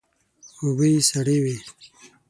اوبه یې سړې وې.